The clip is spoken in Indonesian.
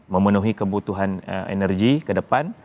memenuhi kebutuhan energi ke depan